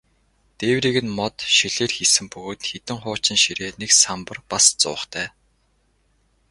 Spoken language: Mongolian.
Дээврийг нь мод, шилээр хийсэн бөгөөд хэдэн хуучин ширээ, нэг самбар, бас зуухтай.